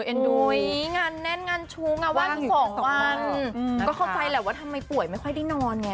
โอ้ยงานแน่นงานชุมงานว่างอยู่สองวันก็ความฟัยแหละว่าทำไมป่วยไม่ค่อยได้นอนไง